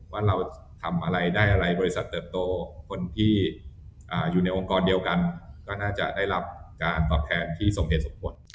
ว่าเราทำอะไรได้อะไรบริษัทเติบโตคนที่อยู่ในองค์กรเดียวกันก็น่าจะได้รับการตอบแทนที่สมเหตุสมผล